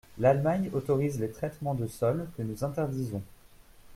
L’Allemagne autorise les traitements de sol que nous interdisons.